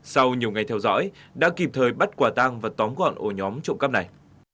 sau nhiều ngày theo dõi đã kịp thời bắt quả tang và tóm gọn ổ nhóm trộm cắp này